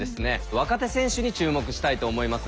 若手選手に注目したいと思います。